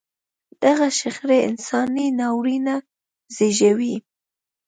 دغه شخړې انساني ناورینونه زېږوي.